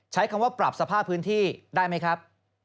ใช้คำว่าปรับสภาพพื้นที่ได้ไหมครับ